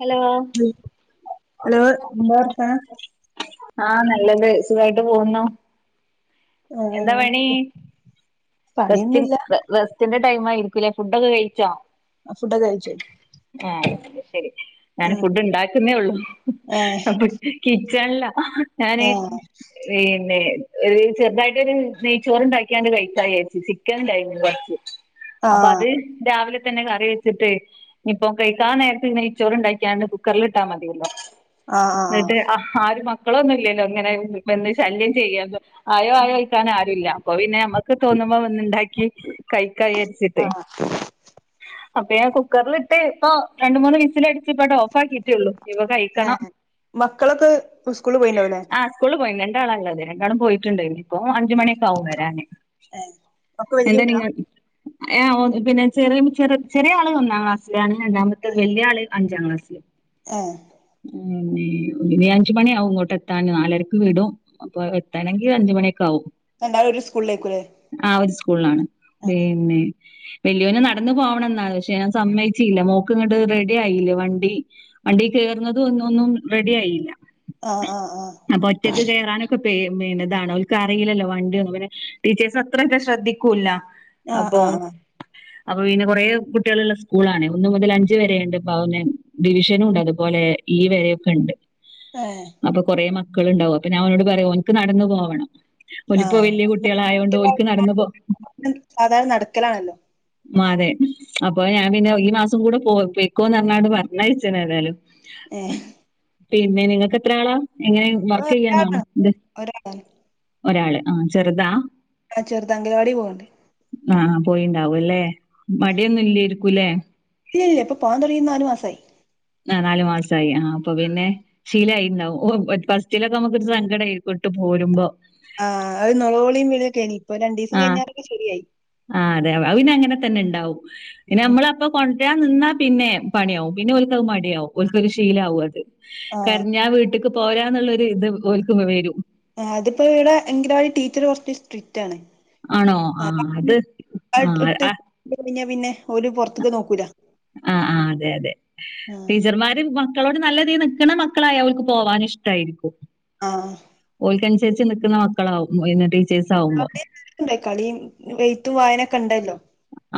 Hello ഉം hello എന്താവർത്താനം ആ നല്ലത് സുഖായിട്ട് പോകുന്നു ആ റസ്റ്റ്‌ റസ്റ്റിന്റെ ടൈം ആയിരിക്കൂല്ലേ ഫുഡൊക്കെ കഴിച്ചോ ഫുടൊക്കെ കഴിച്ചു ആഹ ശരി ഞാൻ ആഹ് ഫുഡ് ഉണ്ടാക്കുന്നേ ഉള്ളൂ ഏഹ് അപ്പൊ കിച്ചൺല്ല ഞാന് ഏഹ് പിന്നെ ഒരു ചെറുതായിട്ടൊരു നെയ്ച്ചോറണ്ടാക്കിയാണ്ട് കഴിച്ച ചിക്കൻണ്ടായിരുന്നു കുറച്ച് അപ്പൊ ആഹ് അത് രാവിലെ അപ്പൊത്തന്നെ കറി വെച്ചിട്ട് ഇപ്പൊ കൈകാ നേരത്തു നെയ്‌ച്ചോരുണ്ടാക്കിയണ്ട് കുക്കറിലിട്ടാൽ മതിയല്ലോ ആഹ് ആഹ് ആഹ് ന്നിട്ട് ആ ഒരു മക്കളൊന്നും ഇല്ലല്ലോ അങ്ങനെ ഇപ്പോ എന്നെ ശല്യം ചെയ്യാ ആയോ ആയോ ചോയിക്കാൻ ആരുല്ല അപ്പൊ പിന്നെ നമ്മുക്ക് തോന്നുമ്പോ ണ്ടാക്കി കൈക ചാരിച്ചിട്ട് അപ്പൊ ഞാൻ കുക്കറില് ഇട്ട് ആ രണ്ട് മൂന്ന് വിസിലടിച്ചു ഇപ്പണ്ട് ഓഫ് കിട്ടിയുള്ളൂ ഇനിയിപ്പം കഴിക്കണം ഏഹ് മക്കളൊക്കെ സ്കൂളിൽ പോയിണ്ടാവുല്ലേ ആ സ്കൂളിൽ പോയി രണ്ടാള ഇള്ളത് രണ്ടാളും പോയിട്ടുണ്ട് ഇനീപ്പോ അഞ്ച് മണിയൊക്കെ ആകും വരാന് ഏഹ് ഒക്കെ വല്ല്യ കുട്ടീളാ എ ഓ പിന്നെ ചെറിയ ചെറ ചെറിയആള് ഒന്നാം ക്ലാസ്സിലാണ് രണ്ടാമത്തെ വലിയ ആള് അഞ്ചാം ക്ലാസ്സില് ഏഹ് മം ഇ ഇനി അഞ്ച് മണി ആവും ഇങ്ങോട്ട് എത്താൻ നാലരക്ക് വിടും അപ്പൊ എത്താണെങ്കിൽ അഞ്ച മണി രണ്ടാളും ഒരു സ്കൂളിലേരിക്കും ലെ ആ ഒരു സ്കൂളിലാണ് പീന്നെ വലിയോന് നടന്നു പോണംന്നാണ് പക്ഷെ ഞാൻ സമ്മയിചില്ല മോക്ക് ഇങ്ങോട്ട് റെഡി ആയില്ല വണ്ടി വണ്ടി ചേർന്നത് ഒന്നും ഒന്നും റെഡി ആയില്ല. ആഹ് ആഹ് ആഹ് അപ്പൊ ഒറ്റക്ക് കേറാന് [inaudible] താണോ അവർക്ക് അറിയില്ലല്ലോ വണ്ടിന്നും പിന്നെ ടീച്ചേഴസ് അത്രേം അങ്ങിട്ട് ശ്രെദ്ധിക്കൂല ആ ആ ആ അപ്പൊ പിന്നെ കുറെേ കുട്ടികളുള്ള സ്കൂളാണ് ഒന്നു മുതൽ അഞ്ച് വരെഉണ്ട് അവനെ ഡിവിഷനും ഉണ്ടല്ലോ അതു പോലെ ഈ വരയൊക്കെ ഉണ്ട് ഏഹ് അപ്പൊ കൊറേ മക്ക ളുണ്ടാകും അപ്പോ ഞാൻ ഓനോട്‌ പറയും ഓൻക് നടന്ന് പോകണം ഓലിപ്പോ ആഹ് വല്ല്യ കുട്ടികൾആയോണ്ട് ഓല്ക്‌ നടന്നു പോ സാധാരണ നടക്കലാണല്ലോ മ അതെ അപ്പൊ ഞാൻ പിന്നെ ഈ മാസം കൂടെ പോ പൊയ്കോ എന്നു പറഞ്ഞാണ്ട് പറഞ്ഞ അയച്ചതാണലോ ഏ പിന്നെ നിങ്ങക്ക് എത്ര ആളാ എങ്ങനെ വർക്ക് ഒരാളാണ് ചെയ്യാനാണോ ഇത് ഒരാളാണ് ഒരാള് ആ ചെറുതാ ആഹ ചെറുതാ അംഗലവാടി പോണുണ്ട് ആ പോയിണ്ടാവും അല്ലെ മടിയൊന്നും ഇല്ലേരിക്കും ല്ലേ ഇല്ല ഇല്ല ഇപ്പൊ പോവാൻ തുടങ്ങി നാലു മാസമായി ആ നാലു മാസമായി ആ അപ്പൊ പിന്നെ ശീലയിണ്ടാവും ഓ ഫസ്റ്റിലൊക്കെ നമുക്ക് സങ്കടം ആയിരിക്കും ട്ട് പോരുമ്പോ ആഹ് ഒരു നുളോളിയം വിളിയക്കെനി ആ ആ അതെ അഹ് പിന്നെ അങ്ങനെ തന്നെ ഇണ്ടാവും പിന്ന നമ്മള അപ്പൊ കൊ വരാ നിന്നാ പിന്നെ പണിയാവും പിന്നെ ഒരുക്ക മടിയാവും ഒരുക്ക ഒരു ശീലമാവും അത് ആഹ് കരഞ്ഞാ വീട്ടക്ക് പോരാന്നുള്ളരു ഇത് ഓല്ക് വരും ആ അതിപ്പോ ഇവിടെ അംഗലവാടി ടീച്ചർ കുറച്ച് സ്ട്രിക്റ്റ് ആണ് ആണോ ആ അത് ആ [unintelligible] ഇട്ട് ആ കഴിഞ്ഞാ പിന്നെ ഒരു പുറത്തക്ക് നോക്കൂല ആ ആ അതെ അതെ ആഹ് ടീച്ചർമാര് മ മക്കളോട് നല്ല രീതിൽ നിക്ക്ണ മക്കളായ ഓല്ക് പോവാൻ ഇഷ്ടയിരിക്കും ആ നുസരിച്ച് നിക്കുന്ന മക്കളാവും [unintelligible] അവിടെണ്ട കളിയും വെയത്തും വായനൊക്കെ ഇണ്ടല്ലോ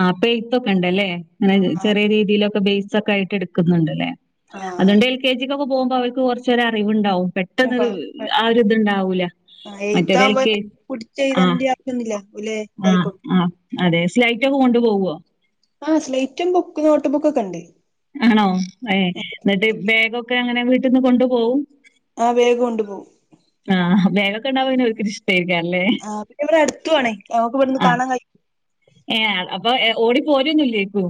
ആ പെയ്ത്തൊക്കെ ഉണ്ടല്ലേ അങ്ങനെ ആഹ് ചെറിയ രീതിയിലൊക്കെ ബെയ്സ് ഒക്കെ ആയിട്ട് എടുക്കുന്നുണ്ട്ല്ലേ ആഹ് അതുകൊണ്ട് എൽ കെ ജിക്ക്ൊക്കെ പോകുമ്പോ അവർക്ക് കുറച്ചരെ അറിവുണ്ടാവും പെട്ടെന്ന് ആ രിതുണ്ടാവൂല എഴുത്താവുമ്പോ മറ്റേതലക്ക് പുടിച്ച് ആ എഴുതേണ്ട ആവശ്യൊന്നുല്ല ഓല് ആഹ് ഇതായിക്കോളും ആ അതെ സ്ലൈറ്റ് ഒക്കെ കൊണ്ടു പോവോ ആ് സ്ലൈറ്റും ബുക്ക് നോട്ട് ബുക്ക്ൊക്കെ ഉണ്ട് ആണോ ഏയ് എന്നിട്ട് ബാഗൊക്കെ അങ്ങനെ വീട്ടിൽന്ന് കൊണ്ടു പോവും ആ വേഗ് കൊണ്ട് പോ [unintelligible] [unintelligible] ല്ലേ ആഹ് പിന്നെ ഇവിടെ അടുത്തു ആണ് നമുക്ക് ഇവിടുന്ന് ആ കാണാൻ കഴിയും ഏഹ് അപ്പൊ [unintelligible] ഓടി പോരന്നില്ലേ കു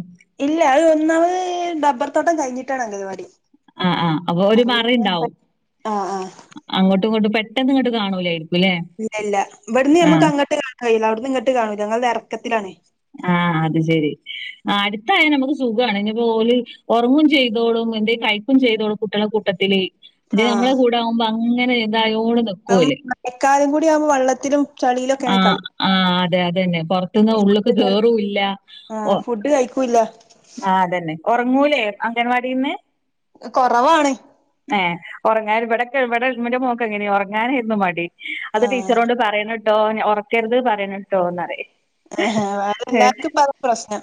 ഇല്ല അത് ഒന്നാമത് ഡബ്ബർ തോട്ടം കഴിഞ്ഞിട്ടാണ് അംഗവാടി ആ ആ അപ്പൊ ഒരു മറി ഉണ്ടാവും ആഹ് ആഹ് അങ്ങോട്ട് കൊണ്ട് പെട്ടെന്ന് ഇങ്ങട്ട് കാണൂലായി ഇല്ല ഇല്ല ഇവിടുന്ന് ഞമ്മക്ക് അങ്ങട്ട് കാണയില്ല അവിടുന്ന് ഇങ്ങട്ട് കാണൂ ഞങ്ങൾ ഇറക്കത്തിലാണ് ആ അത് ശരി ആ അടുത്തായൽ നമുക്ക് സുഖമാണ് ഇനിപ്പോ ഓൽ ഉറങ്ങും ചെയ്തോളും എന്തെ കഴക്കും ചെയ്തോളും കുട്ടളെ കൂട്ടത്തിൽ ഇത് നമ്മളെ ആഹ് കൂടാകുമ്പോ അങ്ങനെ എന്തായോടെ ഇപ്പം നികോൽ [unintelligible] വെള്ളത്തിലും ആ ചളിയിലൊക്കെയാണ് കളി ആ അതെ അതെന്നെ പൊറത്തുന്ന് ഉള്ളേക്ക് കേയറും ല്ല ഓ ആഹ് ഫുഡ് കഴിക്കൂല്ല ആ അതന്നെ ഉറങ്ങൂലേ അംഗൻവാടിന്ന് കുറവാണ് ഏ ഉറങ്ങാൻ ഇവിട ഇവിടെന്റെ മോക്ക് എങ്ങനെയ ഉറങ്ങാനരുന്നു മടി അത് ആഹ് ടീച്ചറോണ്ട് പറയണിട്ടോ ഉറക്കരുത് പറയണിട്ടോന്ന് റിയും അത് എല്ലാർക്കും പറ പ്രശ്നം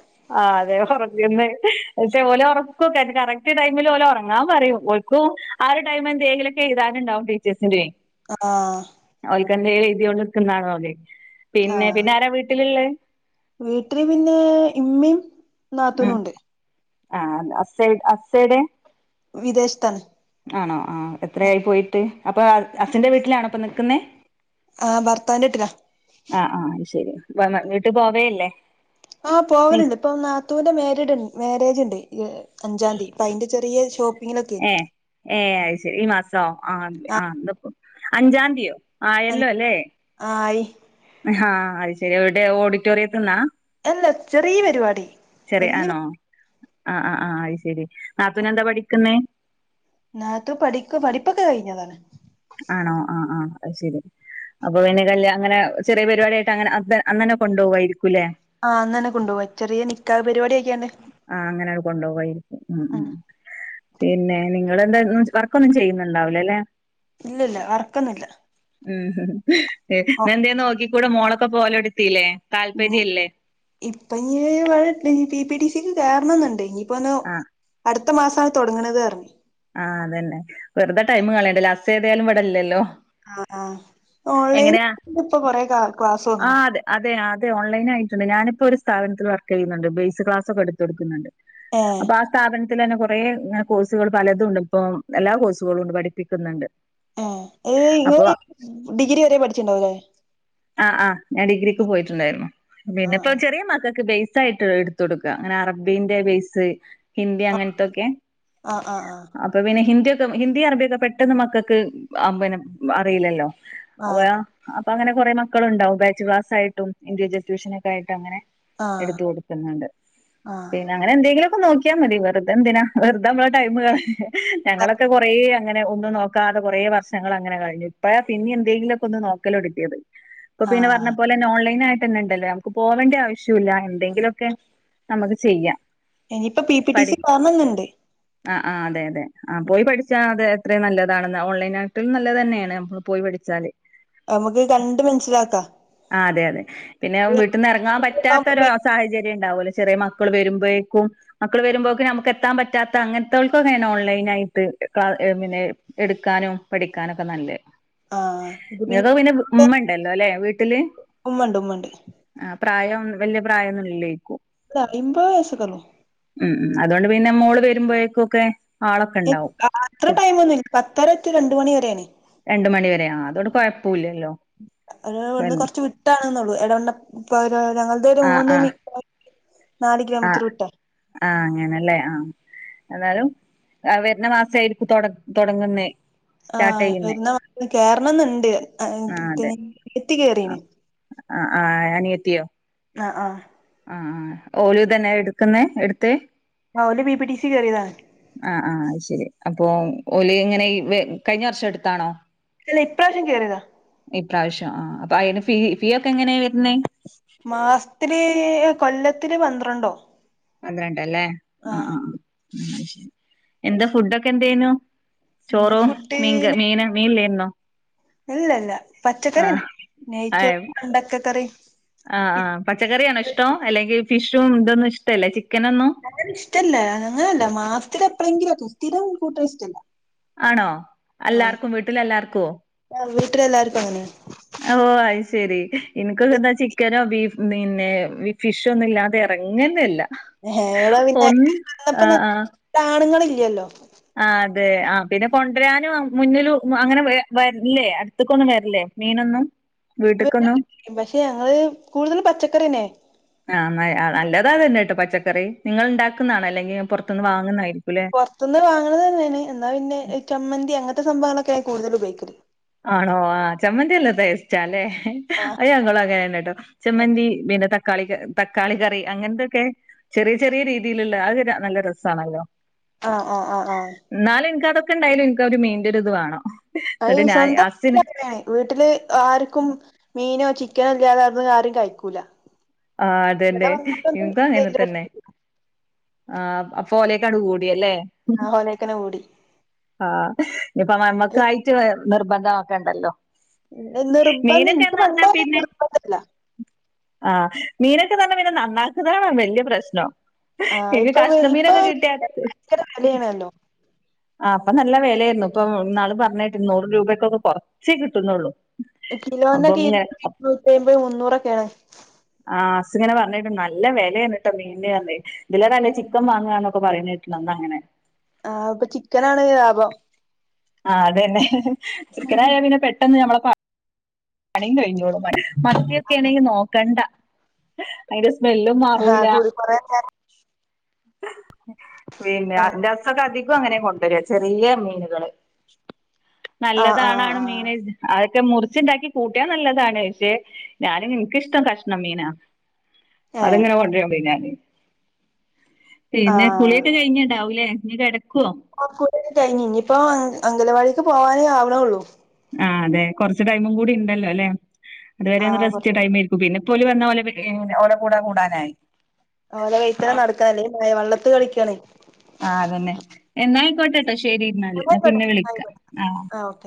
ഉറങ്ങുന്നേ പക്ഷേ ഓല ഉറക്കക്കെ കറക്ട് ടൈമിൽ ഓലെ ഉറങ്ങാൻ പറയും ഓ ആ ഒരു ടൈം എന്തങ്കിലൊക്കെ ഇതാന ഇണ്ടവെ ടീച്ചേഴ്സിനെ ആ ആ [unintelligible] പിന്നെ ആഹ് പിന്നെ ആരാ വീട്ടിലിളെ വീട്ടില് പിന്നെ ഇമ്മി നാത്തൂനും ഉണ്ട് ആ അസൈ അസ്സൈടെ വിദേശത്തന് ആണോ ആ എത്രയി പോയിട്ട് അപ്പൊ അച്ചന്റെ വീട്ടിലാണോ അപ്പൊ നിക്കുന്നേ ആ ഭർത്താവിന്റെ ഇട്ടില [unintelligible] ങ്ങീട്ട് പോവേല്ലേ ആ പോവലുണ്ട് ഇപ്പൊ നാത്തുവിന്റെ മഡ് മാരേജ് ഇണ്ട് അഞ്ചാം തീ പ്പൊ അതിന്റെ ചെറിയ ഷോ ഏ ഏ അയ് ശരി ഈ മാസോ ആ ആ ഇന്നിപ്പം അഞ്ചാ തിയോ ആഹ് ആയല്ലോ അല്ലേ? ആയി ആഹ് അയ്ശരി എവിടെ ഓഡിറ്റോറിയത്തിന്നാ? അല്ല ചെറിയ പരിപാടി വല്യ ആഹ് ആ ആ അയ്ശരി നാത്തുൻ എന്താ പഠിക്കുന്നേ? നാത്തൂൻ പഠിക്കാ പഠിപ്പൊക്കെ കഴിഞ്ഞതാ. ആണോ ആ ആ അത് ശരി. അപ്പൊ പിന്നെ കല്യാ അങ്ങെനെ ചെിയ പരിപാടിയായിട്ട് അങ്ങനെ അന്നന്നെ കൊണ്ടവായിരികും. ആഹ് അന്നന്നെ കൊണ്ടുവാ ചെറിയ നികാഹ് പരിപാടിയ ആഹ് അങ്ങനെ കൊണ്ടുവായിരിക്കും ഉം ഉം. പിന്നെ നിങ്ങെൾന്താ വർക്കൊന്നും ചെയ്യുന്നുണ്ടാവില്ലല്ലേ? ഇല്ല ഇല്ല വർക്കൊന്നില്ല. ഉം ന്ന ന്തേന്ന് നോക്കി കൂടെ മോളൊക്കെ പോലൊടുത്തില്ലേ? ഉം ഇപ്പ നി ഇവിടെ P P C D C ക്ക് കേറണംന്നുണ്ടിഞ്ഞി ഇപ്പൊന്ന് ആ അടുത്ത മാസമാണ് തുടങ്ങണത്റഞ്ഞ്. അതന്നെ വെറുത ടൈം കളേണ്ടല്ല ഹസ് ഏതായാലും ഇവിടെ ഇല്ലല്ലോ. ആ ഓൺലൈൻ എങ്ങനെയാ ഇപ്പ കൊറെ ക ക്ലാസ് വന്നണ്. ആഹ് അതെ അതെ അതെ ഓൺലൈൻ ആയിട്ടുണ്ട് ഞാനിപ്പോൾ ഒരു സ്ഥാപത്തിനൽ വർക്ക് ചെയ്യുന്നുണ്ട് ബേസ് ക്ലാസ് ഒക്കെ എടുത്തു കൊടുക്കുന്നുണ്ട്. ഏ അപ്പൊ ആ സ്ഥാപനത്തിൽ തന്നെ കൊറേ ഇങ്ങനെ കോഴ്സു പലതുംണ്ട് ഇപ്പം എല്ലാ കോഴ്സുകളും ഉണ്ട് പഠിപ്പിക്കുന്നുണ്ട്. ആ ഏ ഇങ്ങ അപ്പൊ ഡിഗ്രി വരെ പഠിച്ചിട്ടുണ്ടാവുല്ലേ? ആഹ് ആ ഞാൻ ഡിഗ്രിക്ക് പോയിട്ടുണ്ടായിരുന്നു ആ പിന്നെ ഇപ്പൊ ചെറിയ മക്കൾക്ക് ബേയ് സായിട്ട് എടുത്ത് കൊടുക്ക ഇങ്ങനെ അറബിന്റെ ബേസ്, ഹിന്ദി ആ അങ്ങനത്തൊക്കെ ആ ആ ആ അപ്പൊ പിന്നെ ഹിന്ദി ഒ ഹിന്ദി അറബിയൊക്കെ പെട്ടെന്ന് മക്കൾക്ക് അ പിന്ന അറിയില്ലല്ലോ ആ അപ്പൊ അപ്പ അങ്ങനെ കുറെ മക്കളുണ്ടാവും ബാച്ച് ക്ലാസ് ആയിട്ടു ഇൻഡിവിജ്വൽ ട്യൂഷനൊക്കായിട്ടങ്ങനെ. എടുത്ത ആ കൊടുക്കുന്നുണ്ട്. പിന്നെ അങ്ങനെ എന്തെങ്കിലും ഒക്കെ നോക്കി മതി വെറുതെ ന്തിനാ വെറുതാ നമ്മ ടൈം കളിയുന്ന ആ ഞങ്ങളൊക്കെ കൊറേ ങ്ങനെ ഒന്നും നോക്കാതെ കൊറേ വർഷങ്ങൾ അങ്ങനെ കഴിഞ്ഞു. ഇപ്പ പിന്നെ എന്തെങ്കിലും ഒക്കെ ഒന്ന് നോക്കല് തൊടങ്ങിത്. അപ്പൊ ആ പിന്നെ പറഞ്ഞ പോലെന്നെ ഓൺലൈൻ ആയി ട്ടിന്നണ്ടല്ലോ നമുക്ക് പോവേണ്ടി ആവശ്യ ഇല്ല എന്തെങ്കിലൊക്കെ നമുക്ക് ചെയ്യാം. ഇനിപ്പ പി പി ടി സി [unintelligible] ആ ആ അതെ അതെ ആഹ് പോയി പഠിച്ച അത് എത്രയു നല്ലതാണെന്ന ഓൺലൈനായിട്ടും നല്ലത് തന്നേണ്. നമ്മൾ പോയി പഠി ച്ചാല്. നമുക്ക് കണ്ട് മനസ്സിലാക്കാ. അതെ അതെ പിന്നെ വീട്ടിൽ നിന്ന് ഇറങ്ങാൻ പറ്റാത്തൊരു സാഹചര്യം ഉണ്ടാവുലോ ചെറിയ മക്കൾ വരുമ്പോഴേക്കും മക്കൾ വരുമ്പോഴേക്കും നമുക്ക് എത്താൻ പറ്റാത്ത അങ്ങനത്തെവൾക്കുങ്ങെയാണ് ഓൺലൈൻ ആയിട്ട് ക്ക എങ്ങനെ എടുക്കാനും പഠിക്കാനും ഒക്കെ നല്ലെ. ആഹ് [unintelligible] ഉമ്മണ്ടല്ലോ ല്ലെ വീട്ടില്? ഉമ്മണ്ട് ഉമ്മണ്ട് ആ പ്രായം വലിയ പ്രായംന്നുലേക്കും. ഇല്ല എൺപത് കാണും. ഉം ഉം അതുകൊണ്ട് പിന്നെ മോള് വരുമ്പോഴേക്കും ഒക്കെ ആളൊക്കെ അത്ര ടൈം ഒന്നും പത്തര ടു രണ്ട് മണി വരെയാണ് രണ്ട മണിവരെയാ ആ അതോട് കുഴപ്പൂല്ലല്ലോ. ഏഹ് ഇവിന്ന് കൊറച്ച് വിട്ടാണ്ന്നുള്ളു. എടവെണ്ണ ഇപ്പൊ ഞങ്ങൾത് ഒരു മൂന്ന് മീ ആഹ് ആഹ് അങ്ങനല്ലേ ആഹ് എന്നാലും, ആ വരുന്നമാസായിരിക്കും തൊടങ്ങുന്നേ. സ്റ്റാർട്ട് ആഹ് ചെയ്യുന്നേ വരുന്നാ [inaudible] കേറണംന്നുണ്ട് ആഹ് [unintelligible] അനിയത്തി കേറീന്ന്. ആ ആ അനിയത്തിയോ? ആ ആ. ആ ഓലി തന്നെഎടുക്കുന്നെ എടുത്തേ? ആഹ് ഓല് ബി പി ടി സി കേറിയതാണ് ആഹ് ആഹ് അത്‌ശരി അപ്പൊ ഓൽ ഇങ്ങനെ ഈ കഴിഞ്ഞ വർഷം എടുത്താണോ? അല്ല ഇപ്രാവശ്യം കേയറതാ. അ അയിന് ഫീ ഫീ ഒക്കെ എങ്ങനെയാണ് വരുന്നേ മാസത്തില് കൊല്ലത്തില് പന്ത്രണ്ടോ പന്ത്രണ്ടല്ലേ ആ ആഹ് ആ ശ്, എന്താ ഫുഡൊക്കെ എന്തേ നു. പിന്നെ ചോറും മീൻ ഫുഡ് കറി മീന് മീൻല്ലന്നോ? ഇല്ല ഇല്ല പച്ചക്കറിയന്നെ ആഹ് നെയ്ച്ചോറ് വെണ്ടക്കക്കറി. ആഹ് ആഹ പച്ചക്കറിയണോ ഇഷ്ടോ, അല്ലെങ്കിൽ ഫിഷും ഇതൊന്നും ഇഷ്ടല്ലേ ചിക്കനൊന്നും. അങ്ങനെ ഇഷ്ടല്ല അങ്ങനെയല്ല മാസത്തില് എപ്പോളെങ്കിലും സ്ഥിരം കൂട്ടല് ഇഷ്ടല്ല. ആണോ, എല്ലാർക്കും വീട്ടിൽ എല്ലാർക്കുവോ? ഓ വീട്ടിൽ എല്ലാർക്കും അങ്ങനെയാ. ഓഹ് അത് ശെരി എനക് എന്താ ചിക്കനോ ബീഫ് പിന്നെ ഫിഷോ ഒന്നും ഇല്ലാതെ എറങ്ങന്നില്ലാ. എവിടെ പിന്നെ വന്നാ പിന്നെ കാണുങ്ങളില്ലലോ. ആ അതെ ആ പിന്നെ കൊണ്ടുവരാനും മുന്നിൽ അങ്ങനെ വരില്ലേ അടുത്തക്കൊന്നും വരില്ലേ മീനൊന്നും വീട്ട്ക്കൊന്നും പക്ഷെ ഞങ്ങള് കൂടുതൽ പച്ചക്കറിയന്നെ. ആ നല്ലതാതന്നെ കേട്ടോ പച്ചക്കറി നിങ്ങൾ ഉണ്ടാക്കുന്നണോ അല്ലെങ്കിൽ പുറത്തുന്ന് വാങ്ങുന്നതായിരിക്കും പുറത്തുന്ന് വാങ്ങണത് തന്നെയാണ് എന്നാ പിന്നെ ചമ്മന്തി അങ്ങനത്തെ സംഭവങ്ങളൊക്കെയാ കൂടുതൽ ഉപയോഗിക്കല് ആണോ ആ ചമ്മന്തി നല്ല ടേസ്റ്റാ അല്ലേ ആഹ് അയ്യോ അങ്ങളും അങ്ങനെയാണെട്ടോ ചെമ്മന്തി പിന്നെ തക്കാളി തക്കാളിക്ക തക്കാളി കറി അങ്ങനത്തൊക്കെ ചെറിയ ചെറിയ രീതിയിലുള്ള അത് നല്ല രസാണല്ലോ ആഹ് ആഹ് ആഹ് ആഹ് എന്നാലും എനിക്ക്‌ അതൊക്കെ ഇണ്ടായാലും എനിക്ക് ആ ഒരു മീനിന്റെ ഒരു ഇത് വേണം. അയ്യോ എന്നിട്ട് ഞാൻ സ്വന്തം വീട്ടില് ഹസ്സിന് അങ്ങനെയ വീട്ടിൽ ആർക്കും മീനോ ചിക്കനല്ലാതെ അത് ആരും കഴിക്കുല്ലാ ആ അതന്നെ, എനക്കും അങ്ങനെ തന്നെ. ആ അപ്പോലേക്ക്‌ അങ്ങ് കൂടിയല്ലേ ആ ഹോലേക്കനെ ഓടി ആ ഇനിപ്പ നമ്മക്കായിട്ട് നിർബന്ധമാക്കണ്ടല്ലോ നിർബ നിന്ക്ക് പണ്ടെ പിന്നെ നിർബന്ധല്ല. ആഹ് മീനൊക്കെ തന്നെ പിന്നെ നന്നാക്കുന്നതാണോ വലിയ പ്രശ്നം. ആ ഇന്ന് ഇപ്പൊ ഇപ്പൊ കഷ്ണമീനൊക്കെ കിട്ടിയാ. ഭയങ്കര വിലയാണല്ലോ ആ അപ്പൊ നല്ല വിലയായിരുന്നു ഇപ്പൊ ഇന്നാൾ പറഞ്ഞ് കേട്ട് നൂറ് രൂപക്ക ഒക്കെ കൊറച്ചേ കിട്ടുന്നുള്ളൂ. അപ്പൊ കിലോന്നൊക്കെ ഇങ്ങനെ ഇരുന്നൂറ്റായമ്പത് മുന്നൂറൊക്കെയായിരുന്നു. ആഹ് ഹസ് ഇങ്ങനെ പറഞ്ഞായിരുന്നു നല്ല വിലയന്നിട്ടോ മീനിന് തന്നെ, ഇതിലും നല്ലത് ചിക്കൻ വാങ്ങുകന്നൊക്കെ പറയുന്ന കേട്ട്. അതെന്താ അങ്ങനെ ആഹ് ഇപ്പൊ ചിക്കനാണ് ലാഭം. ആഹ് അതന്നെ ചിക്കാനായ പിന്നെ പെട്ടെന്ന് ഞമ്മളെ പണി- പണിയും കഴിഞ്ഞോളും പന്നിയൊക്കെ ആണെങ്കിൽ നോക്കണ്ട അതിന്റെ സ്മെൽ- സ്മെല്ലും ആ മാറുല്ല- കൂടി കൊറേ പിന്നെ ആ [unintelligible] ഇപ്പോ അങ്ങനെ കൊണ്ടുവരാ ചെറിയ മീനുകൾ ആ ആ നല്ലതണാണ് ആ മീന്- ഒക്കെ മുറിച്ചിണ്ടാക്കി കൂട്ടിയാ നല്ലതാണ്. പക്ഷെ ഞാനും എനിക്കിഷ്ടം കഷ്ണം മീനാ. ഏ അതെങ്ങനെ കൊണ്ട് വരും പിന്നെ. ആ പിന്നെ കുളിയൊക്കെ കഴിഞ്ഞ് ഇണ്ടാവുലേ നീ കിട- ആ കുളി ഒക്കെ കഴിഞ്ഞ് ഇനിയിപ്പോ അംഗലവാടിക്ക് പോവാനേ ആവണേ ഒള്ളൂ. ആ അതെ, കുറച്ച് ടൈമും കൂടി ഉണ്ടല്ലോ അല്ലെ അതുവരെ ആ ഒന്ന് റസ്റ്റ് കൊറച്ച് ടൈമായിരിക്കും പിന്നെ ഇപ്പോൽ വന്ന ഓലെ ഓല കൂടാ കൂടാനായി ഓല കൈത്തന നടക്കണല്ലേ അല്ലങ്കിൽ പിന്നെ വള്ളത്ത് കളിക്കാണ് ആഹ് അതന്നെ എന്നാ ആയിക്കോട്ടെ. അപ്പോ ശരിയെന്നാൽ. എന്നാ ആയിക്കോട്ടെ പിന്നെ വിളിക്കാം ആയിക്കോട്ടെ ആഹ്. ആ ഓക്കെ